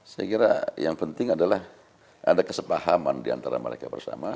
saya kira yang penting adalah ada kesepahaman diantara mereka bersama